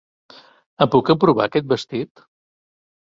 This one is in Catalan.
Em puc emprovar aquest vestit?